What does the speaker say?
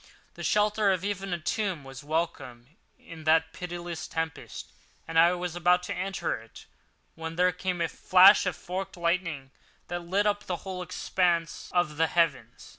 The shelter of even a tomb was welcome in that pitiless tempest, and I was about to enter it when there came a flash of forked lightning that lit up the whole expanse of the heavens.